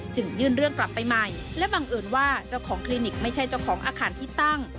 ยื่นเรื่องกลับไปใหม่และบังเอิญว่าเจ้าของคลินิกไม่ใช่เจ้าของอาคารที่ตั้ง